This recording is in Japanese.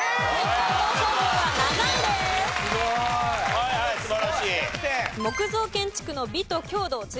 はいはい素晴らしい。